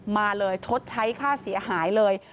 มาเลยชดใช้ค่าเสียหายเลย